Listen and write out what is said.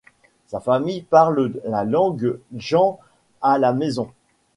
Sa famille parle la langue gen à la maison.